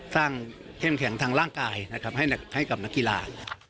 สร้างเข้มแข็งทางร่างกายให้กับนักกีฬา